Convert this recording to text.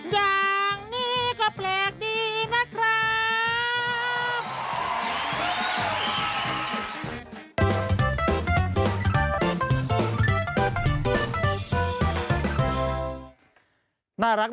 อย่างนี้ก็แปลกดีนะครับ